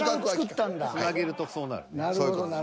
つなげるとそうなる。